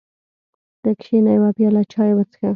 ته کېنه یوه پیاله چای وڅښه.